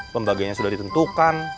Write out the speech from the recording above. pembagiannya sudah ditentukan